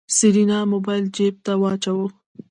سېرېنا موبايل جېب ته واچوه.